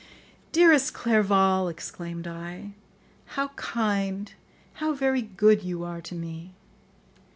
"Dearest Clerval," exclaimed I, "how kind, how very good you are to me.